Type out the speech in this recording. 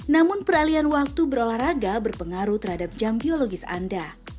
namun peralian waktu berolahraga berpengaruh terhadap jam biologis anda